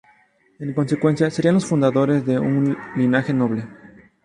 En consecuencia serían los fundadores de un linaje noble.